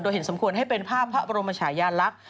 เห็นสมควรให้เป็นภาพพระบรมชายาลักษณ์